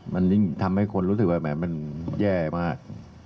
มันยิ่งทำให้คนรู้สึกว่าแหมมันแย่มาก